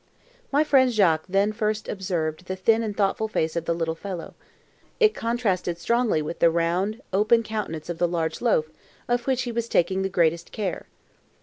My friend Jacques then first observed the thin and thoughtful face of the little fellow. It contrasted strongly with the round, open countenance of the large loaf, of which he was taking the greatest care.